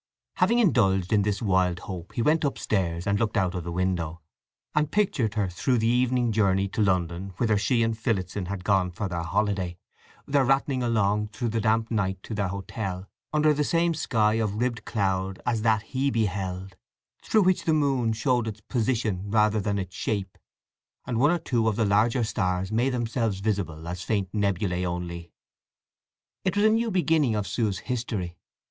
Having indulged in this wild hope he went upstairs, and looked out of the window, and pictured her through the evening journey to London, whither she and Phillotson had gone for their holiday; their rattling along through the damp night to their hotel, under the same sky of ribbed cloud as that he beheld, through which the moon showed its position rather than its shape, and one or two of the larger stars made themselves visible as faint nebulæ only. It was a new beginning of Sue's history.